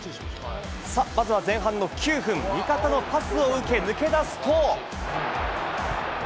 まずは前半の９分、味方のパスを受け、抜け出すと。